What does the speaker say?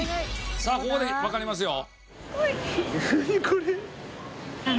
さあここでわかりますよ。